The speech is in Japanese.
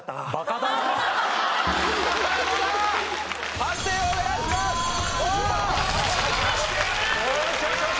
判定をお願いしますよーし